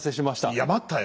いや待ったよ。